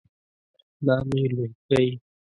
دا مې لورکۍ